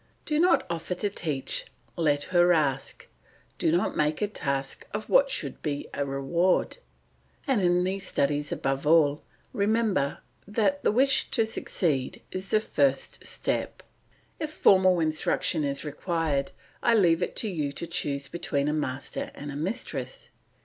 Do not offer to teach, let her ask; do not make a task of what should be a reward, and in these studies above all remember that the wish to succeed is the first step. If formal instruction is required I leave it to you to choose between a master and a mistress.